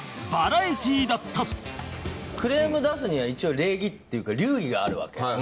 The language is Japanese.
クレーム出すには一応礼儀っていうか流儀があるわけ。